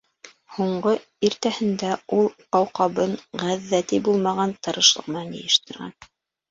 Һуңғы иртәһендә ул ҡауҡабын ғәҙҙәти булмаған тырышлыҡ менән йыйыштырған.